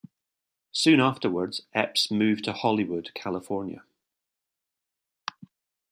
Soon afterwards Epps moved to Hollywood, California.